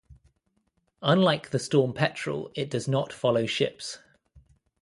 Unlike the storm petrel, it does not follow ships.